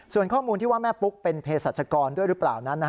ส่วนข้อมูลที่ว่าแม่ปุ๊กเป็นเพศรัชกรด้วยหรือเปล่านั้น